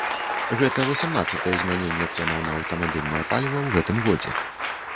Гэта васямнаццатае змяненне цэнаў на аўтамабільнае паліва ў гэтым годзе.